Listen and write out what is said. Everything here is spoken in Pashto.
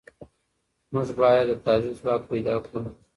موږ بايد د تحليل ځواک پيدا کړو.